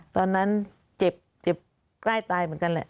ตอนนั้นเจ็บเจ็บใกล้ตายเหมือนกันแหละ